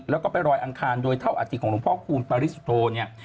แล้วก็ไปรอยอังคารโดยเท่าอาทิตของหลวงพ่อคูณปริสุทธโธเนี่ย